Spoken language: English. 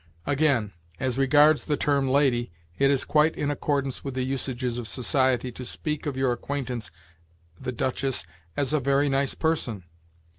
Again, as regards the term 'lady.' It is quite in accordance with the usages of society to speak of your acquaintance the duchess as 'a very nice person.'